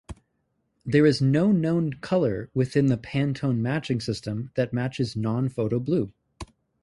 There is no known colour within the Pantone Matching System that matches non-photo blue.